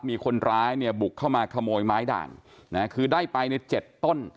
มีคนร้ายเนี่ยบุกเข้ามาขโมยไม้ด่างนะคือได้ไปในเจ็ดต้น